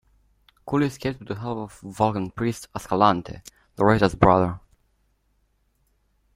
Kull escapes and with the help of the Valkan priest Ascalante, Zareta's brother.